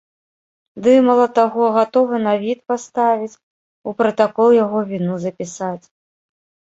Ды, мала таго, гатовы на від паставіць, у пратакол яго віну запісаць.